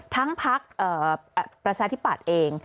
ทั้งประชาธิบาทเอง